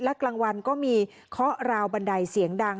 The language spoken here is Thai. และกลางวันก็มีเคาะราวบันไดเสียงดัง